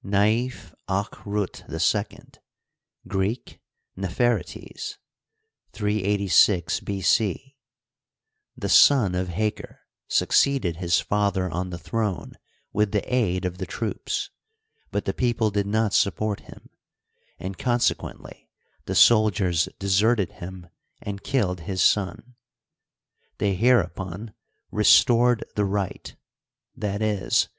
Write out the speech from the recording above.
Naif aa rut II (Greek, Nepherttei) (386 B. C), the son of Haker, succeeded his father on the throne with the aid of the troops; but the people did not support him, and consequently the soldiers deserted him and Killed his son. They hereupon "restored the right" — i.e.